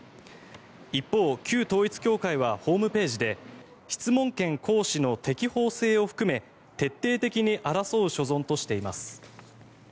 一方、旧統一教会はホームページで質問権行使の適法性を含め徹底的に争う所存としています。